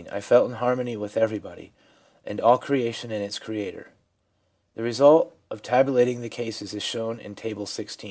'I felt in harmony with everybody, and all creation and its Creator.' The result of tabulating the cases is shown in Table XVI.